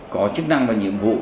có chức năng và nhiệm vụ